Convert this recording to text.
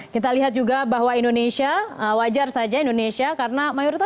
kita lihat juga bahwa indonesia wajar saja indonesia karena mayoritas